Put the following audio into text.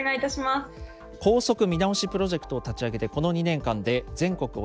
校則見直しプロジェクトを立ち上げてこの２年間で全国